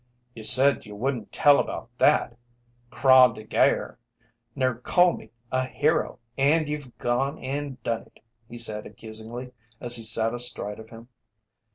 "You said you wouldn't tell about that 'Craw de gare,' ner call me a hero, an' you've gone and done it!" he said, accusingly, as he sat astride of him.